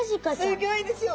すギョいですよ！